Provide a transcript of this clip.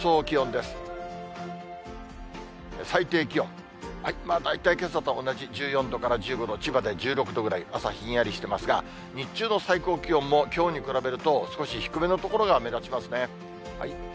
まあ大体けさと同じ、１４度から１５度、千葉で１６度くらい、朝、ひんやりしてますが、日中の最高気温も、きょうに比べると少し低めの所が目立ちますね。